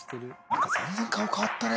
なんか全然顔変わったね